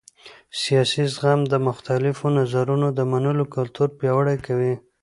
سیاسي زغم د مختلفو نظرونو د منلو کلتور پیاوړی کوي